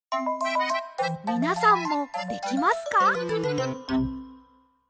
みなさんもできますか？